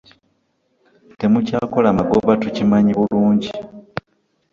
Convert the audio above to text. Temukyakola magoba tukimanyi bulungi.